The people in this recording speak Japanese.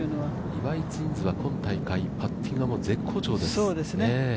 岩井ツインズは今大会パッティング絶好調です。